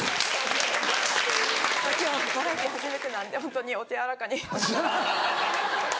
今日バラエティー初めてなのでホントにお手柔らかに。